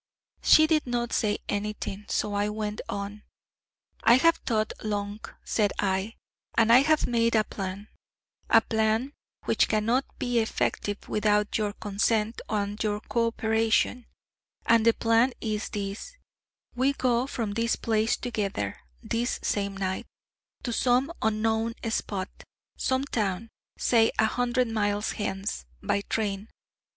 She did not say anything: so I went on. 'I have thought long,' said I, 'and I have made a plan a plan which cannot be effective without your consent and co operation: and the plan is this: we go from this place together this same night to some unknown spot, some town, say a hundred miles hence by train.